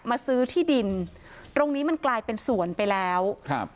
มาซื้อที่ดินตรงนี้มันกลายเป็นสวนไปแล้วครับ